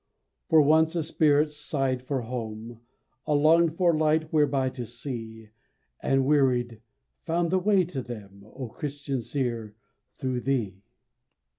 For once a spirit "sighed for home," A "longed for light whereby to see," And "wearied," found the way to them, O Christian seer, through thee!